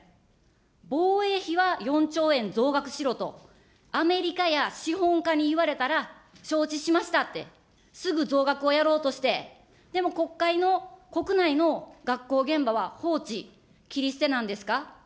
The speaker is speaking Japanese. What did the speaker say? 防衛費は４兆円増額しろと、アメリカや資本家に言われたら、承知しましたって、すぐ増額をやろうとして、でも、国会の、国内の学校現場は放置、切り捨てなんですか。